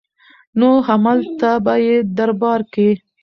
نو هملته به يې دربار کې